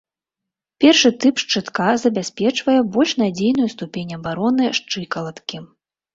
Першы тып шчытка забяспечвае больш надзейную ступень абароны шчыкалаткі.